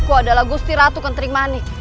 aku adalah gusti ratu kentrimani